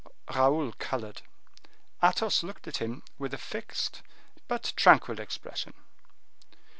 Raoul colored. Athos looked at him with a fixed but tranquil expression.